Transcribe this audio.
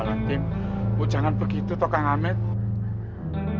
wah alatim bu jangan begitu toh kang hamid